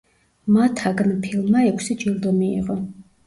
მათაგნ ფილმმა ექვსი ჯილდო მიიღო.